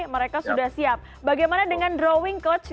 mereka sudah siap bagaimana dengan drawing coach